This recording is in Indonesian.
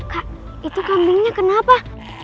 kak itu kambingnya kenapa